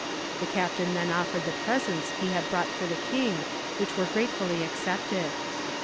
The captain then offered the presents he had brought for the king which were gratefully accepted.